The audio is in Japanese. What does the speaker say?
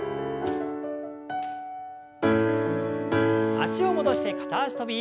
脚を戻して片脚跳び。